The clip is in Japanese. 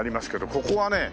ここはね